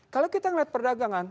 kalau kita lihat perdagangan